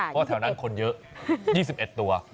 เพราะแถวนั้นคนเยอะ๒๑ตัว